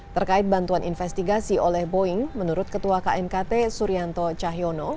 terkait bantuan investigasi oleh boeing menurut ketua knkt suryanto cahyono